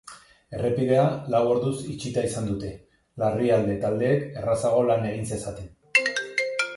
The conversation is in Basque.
Errepidea lau orduz itxita izan dute, larrialde taldeek errazago lan egin zezaten.